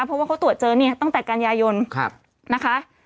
เพราะว่าเขาตรวจเจอเนี่ยตั้งแต่กันยายนนะคะ